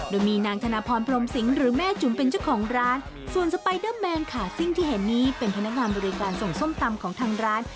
โดยมีนางธนพรพรมสิงห์หรือแม่จุ๋มเป็นเจ้าของร้านส่วนสไปเดอร์แมนค่ะซึ่งที่เห็นนี้เป็นพนักงานบริการส่งส้มตำของทางร้าน